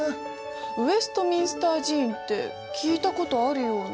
ウェストミンスター寺院って聞いたことあるような。